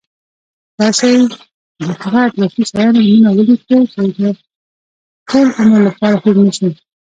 راشي د هغه اطرافي شیانو نومونه ولیکو چې د ټول عمر لپاره هېر نشی.